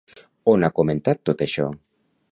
On ha comentat tot això?